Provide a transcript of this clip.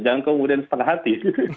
jangan kemudian setengah hati